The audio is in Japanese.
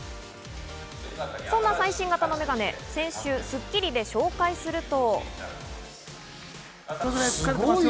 そんな最新型のメガネ、先週『スッキリ』で紹介すると。